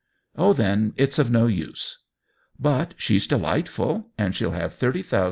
•M>h, then it's of no use." " Ihit she's delightful, and she'll have ihiiiv thoiis.